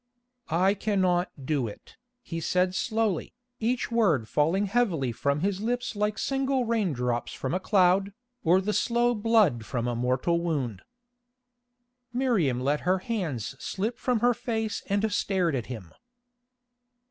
"I cannot do it," he said slowly, each word falling heavily from his lips like single rain drops from a cloud, or the slow blood from a mortal wound. Miriam let her hands slip from her face and stared at him.